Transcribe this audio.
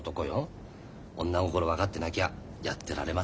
女心分かってなきゃやってられませんって。